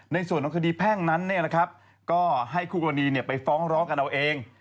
ในส่วนข้อคดีแพ่งนั้นเนี่ยนะครับก็ให้ครูกรณีเนี่ยไปฟ้องร้องกันเอาเอง